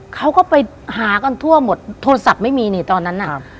เขาก็ไปหากันทั่วหมดโทรศัพท์ไม่มีนี่ตอนนั้นน่ะครับ